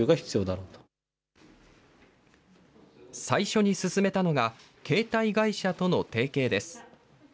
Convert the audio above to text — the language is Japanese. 最初に進めたのが、携帯会社との提携です。